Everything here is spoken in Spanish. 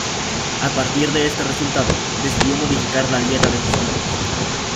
A partir de este resultado, decidió modificar la dieta de sus hombres.